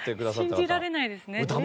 信じられないですね。